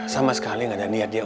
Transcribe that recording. sama sekali nggak ada niat dia